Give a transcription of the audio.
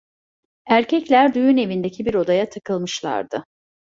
Erkekler düğün evindeki bir odaya tıkılmışlardı.